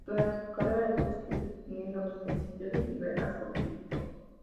Durante su carrera realizó escritos defendiendo los principios del liberalismo político.